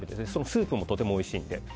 スープもとてもおいしいので。